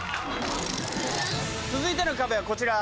続いての壁はこちら。